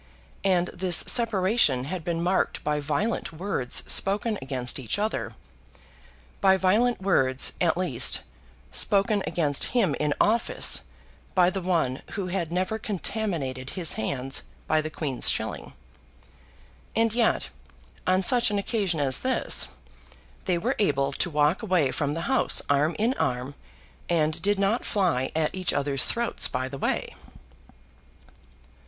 And this separation had been marked by violent words spoken against each other, by violent words, at least, spoken against him in office by the one who had never contaminated his hands by the Queen's shilling. And yet, on such an occasion as this, they were able to walk away from the House arm in arm, and did not fly at each other's throat by the way.